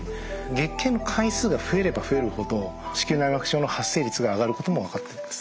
月経の回数が増えれば増えるほど子宮内膜症の発生率が上がることも分かってるんです。